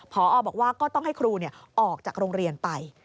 พอบอกว่าก็ต้องให้ครูออกจากโรงเรียนไป